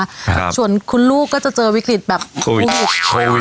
ครับส่วนคุณลูกก็จะเจอวิกฤตแบบโควิด